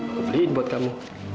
aku beliin buat kamu